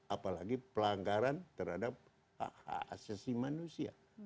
apalagi pelanggaran terhadap asesi manusia